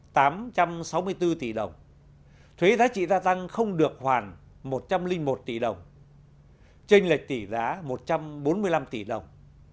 thuế giá trị gia tăng không được hoàn một trăm linh một tỷ đồng tranh lệch tỷ giá một trăm bốn mươi năm tỷ đồng